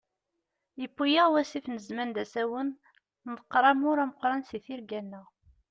Yewwi-yaɣ wasif n zzman d asawen, nḍeqqer amur ameqran si tirga-nneɣ.